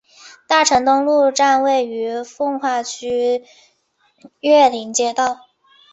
大成东路站位于奉化区岳林街道。